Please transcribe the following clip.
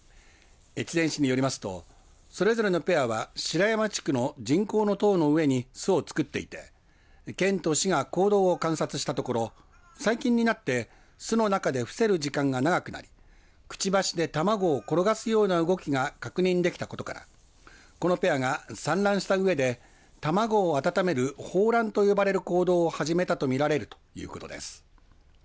越前市によりますとそれぞれのペアは、白山地区の人工の塔の上に巣を作っていて県と市が行動を観察したところ最近になって巣の中で伏せる時間が長くなりくちばしで卵を転がすような動きが確認できたことからこのペアが産卵したうえで卵を温める抱卵と呼ばれる行動を始めたと見られるということです。